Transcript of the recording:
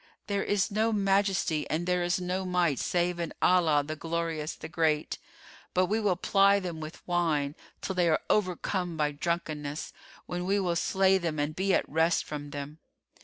There is no Majesty and there is no Might save in Allah, the Glorious, the Great! But we will ply them with wine, till they are overcome by drunkenness, when we will slay them and be at rest from them.